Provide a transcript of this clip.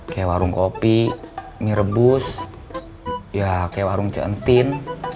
kayak warung kopi mie rebus ya kayak warung centin